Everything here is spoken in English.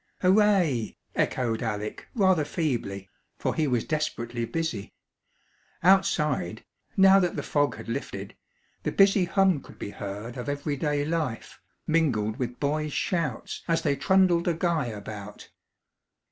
"Hooray!" echoed Alec rather feebly, for he was desperately busy. Outside now that the fog had lifted the busy hum could be heard of everyday life, mingled with boys' shouts as they trundled a guy about.